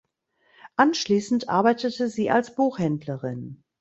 Anschließend arbeitete sie als Buchhändlerin.